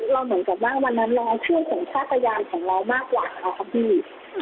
เหมือนกับว่าวันนั้นเราเชื่อสัญชาติยานของเรามากกว่าค่ะพี่